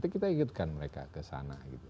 kita ikutkan mereka ke sana gitu